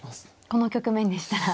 この局面でしたら。